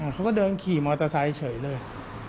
เขาก็เดินขี่มอเตอร์ไซค์เฉยเลย